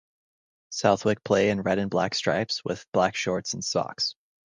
Southwick play in red and black stripes with black shorts and socks.